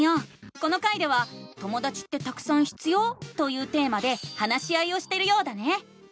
この回では「ともだちってたくさん必要？」というテーマで話し合いをしてるようだね！